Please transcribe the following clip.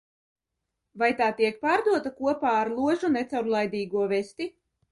Vai tā tiek pārdota kopā ar ložu necaurlaidīgo vesti?